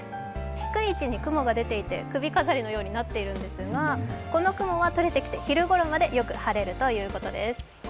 低い位置に雲が出ていて首飾りのようになっているんですがこの雲はとれてきて昼ごろまでよく晴れるということです。